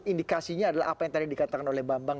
indikasinya adalah apa yang tadi dikatakan oleh bambang